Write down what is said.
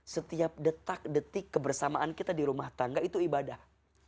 setiap detak detik kebersamaan kita di rumah tangga itu ibadah